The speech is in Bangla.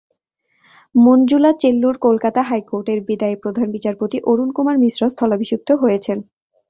মঞ্জুলা চেল্লুর কলকাতা হাইকোর্টের বিদায়ী প্রধান বিচারপতি অরুণ কুমার মিশ্রর স্থলাভিষিক্ত হয়েছেন।